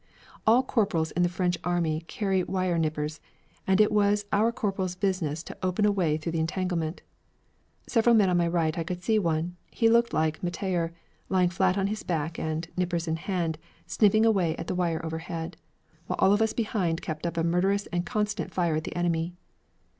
All corporals in the French Army carry wire nippers, and it was our corporals' business to open a way through the entanglement. Several men to my right I could see one he looked like Mettayer lying flat on his back and, nippers in hand, snipping away at the wire overhead, while all of us behind kept up a murderous and constant fire at the enemy.